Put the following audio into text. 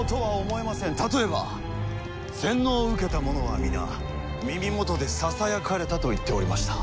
例えば洗脳を受けた者は皆耳元でささやかれたと言っておりました。